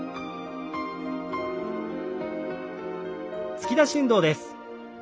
突き出し運動です。